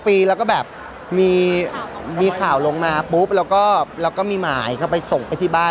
ปีแล้วก็แบบมีข่าวลงมาปุ๊บแล้วก็มีหมายเข้าไปส่งไปที่บ้าน